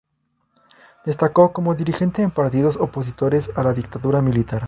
Destacó como dirigente en partidos opositores a la dictadura militar.